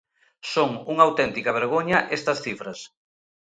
Son unha auténtica vergoña estas cifras.